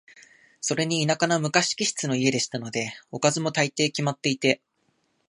それに田舎の昔気質の家でしたので、おかずも、大抵決まっていて、